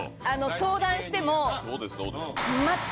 相談しても。